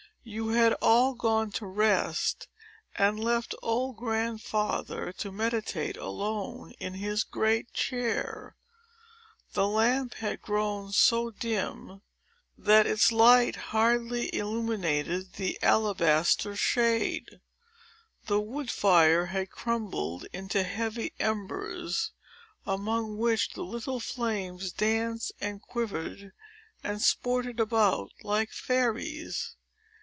You had all gone to rest, and left old Grandfather to meditate alone, in his great chair. The lamp had grown so dim, that its light hardly illuminated the alabaster shade. The wood fire had crumbled into heavy embers, among which the little flames danced, and quivered, and sported about, like fairies.